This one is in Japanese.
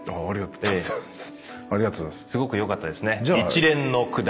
すごく良かったですね。